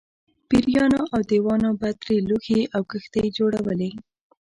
پېریانو او دیوانو به ترې لوښي او کښتۍ جوړولې.